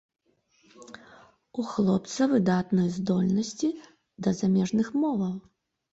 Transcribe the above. У хлопца выдатныя здольнасці да замежных моваў.